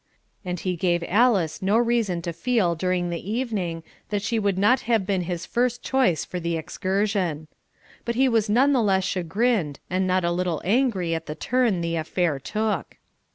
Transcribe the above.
And he gave Alice no reason to feel during the evening that she would not have been his first choice for the excursion. But he was none the less chagrined, and not a little angry at the turn the affair took.